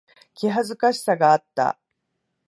気恥ずかしさがあった。